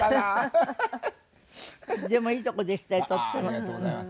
ありがとうございます。